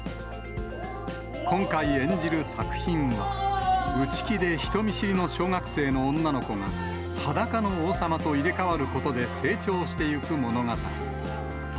今回演じる作品は、内気で人見知りの小学生の女の子が、裸の王様と入れ代わることで成長していく物語。